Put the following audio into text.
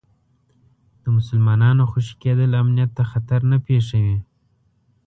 د مسلمانانو خوشي کېدل امنیت ته خطر نه پېښوي.